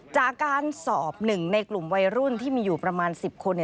จากการสอบหนึ่งในกลุ่มวัยรุ่นที่มีอยู่ประมาณ๑๐คน